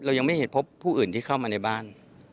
ยังไม่เห็นพบผู้อื่นที่เข้ามาในบ้าน